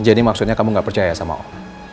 jadi maksudnya kamu gak percaya sama om